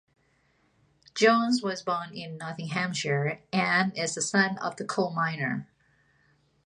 Jones was born in Nottinghamshire and is the son of a coal miner.